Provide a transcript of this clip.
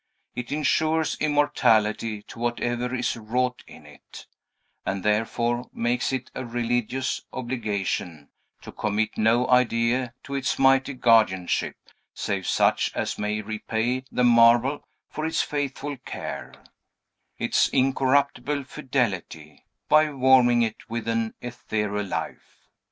It insures immortality to whatever is wrought in it, and therefore makes it a religious obligation to commit no idea to its mighty guardianship, save such as may repay the marble for its faithful care, its incorruptible fidelity, by warming it with an ethereal life.